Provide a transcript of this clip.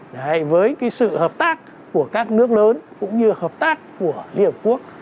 đấy với cái sự hợp tác của các nước lớn cũng như hợp tác của liên hợp quốc